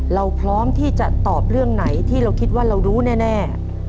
เราพร้อมที่จะตอบเรื่องไหนที่เราคิดว่าเรารู้แน่